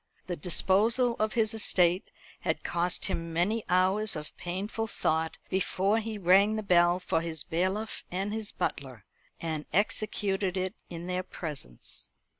The disposal of his estate had cost him many hours of painful thought before he rang the bell for his bailiff and his butler, and executed it in their presence.